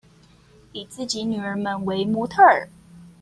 以自己女兒們為模特兒